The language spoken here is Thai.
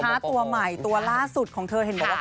ตัวใหม่ตัวล่าสุดของเธอเห็นบอกว่า